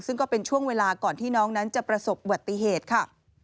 ซึ่งก็เป็นช่วงเวลาก่อนที่น้องนั้นจะประสบอุบัติเหตุค่ะ